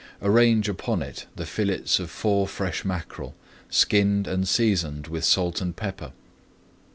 Arrange upon it the fillets of four fresh mackerel, skinned and seasoned with salt and pepper.